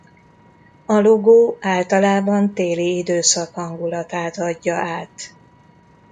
A logó általában téli időszak hangulatát adja át.